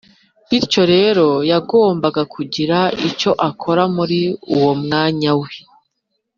bityo rero yagombaga kugira icyo akora muri uwo mwanya we